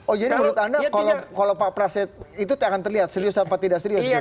oh jadi menurut anda kalau pak praset itu akan terlihat serius apa tidak serius